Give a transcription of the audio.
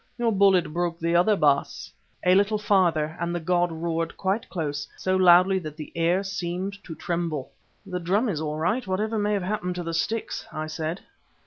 Your bullet broke the other, Baas." A little farther and the god roared quite close, so loudly that the air seemed to tremble. "The drum is all right, whatever may have happened to the sticks," I said.